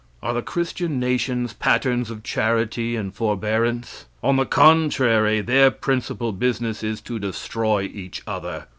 Are the Christian nations patterns of charity and forbearance? On the contrary, their principal business is to destroy each other.